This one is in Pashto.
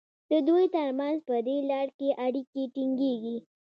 د دوی ترمنځ په دې لړ کې اړیکې ټینګیږي.